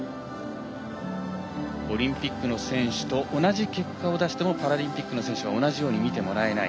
オリンピックの選手と同じ結果を出してもパラリンピックの選手は同じように見てもらえない。